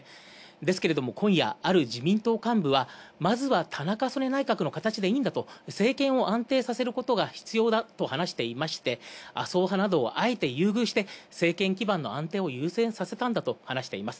ですけれども今夜、ある自民党幹部はまずは田中曽根内閣の形でいいんだと、政権を安定させることが必要だと話していまして、麻生派などをあえて優遇して政権基盤の安定を優先させたんだと話しています。